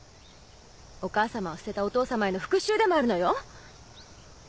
お母様を捨てたお父様への復讐でもあるのよ！